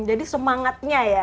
jadi semangatnya ya